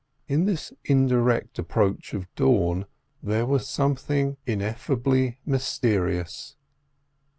In this indirect approach of dawn there was something ineffably mysterious.